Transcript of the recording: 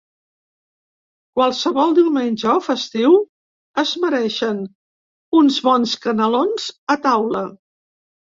Qualsevol diumenge o festiu es mereixen uns bons canelons a taula.